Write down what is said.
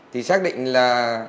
thì xác định là